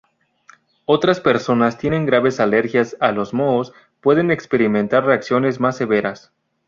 Otras personas que tienen graves alergias a los mohos pueden experimentar reacciones más severas.